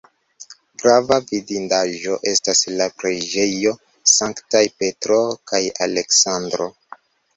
Grava vidindaĵo estas la preĝejo Sanktaj Petro kaj Aleksandro.